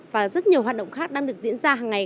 và rất nhiều hoạt động khác đang được diễn ra hàng ngày